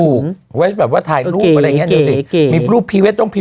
ถูกแบบว่าไถ่รูปอะไรแบบเนี้ยเออแก่แล้วดูสิ